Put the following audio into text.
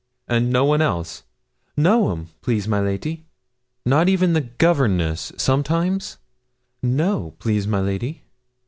'And no one else?' 'No, 'm please, my lady.' 'Not even the governess, sometimes? 'No, please, my lady.'